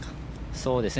そうですね。